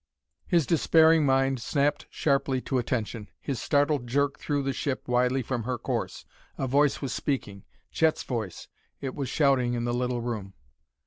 His despairing mind snapped sharply to attention. His startled jerk threw the ship widely from her course. A voice was speaking Chet's voice! It was shouting in the little room!